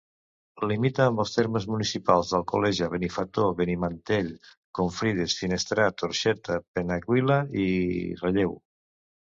Limita amb els termes municipals d'Alcoleja, Benifato, Benimantell, Confrides, Finestrat, Orxeta, Penàguila i Relleu.